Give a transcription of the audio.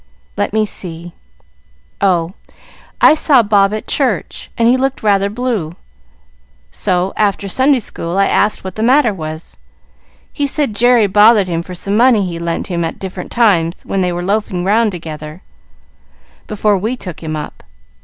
"Let me see. Oh, I saw Bob at church, and he looked rather blue; so, after Sunday School, I asked what the matter was. He said Jerry bothered him for some money he lent him at different times when they were loafing round together, before we took him up.